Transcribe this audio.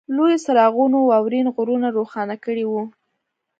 لویو څراغونو واورین غرونه روښانه کړي وو